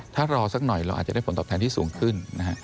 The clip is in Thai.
ถ้ารอสักหน่อยเราอาจจะได้ผลตอบแทนที่สูงขึ้นนะฮะ